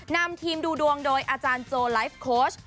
นำทีมดูดวงโดยอาจารย์โจไลฟ์โค้ช